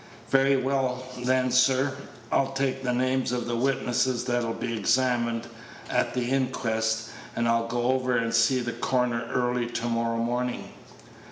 "Very well, then, sir; I'll just take the names of the witnesses that'll be examined at the inquest, and I'll go over and see the coroner early to morrow morning."